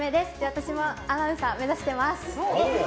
私もアナウンサー目指しています。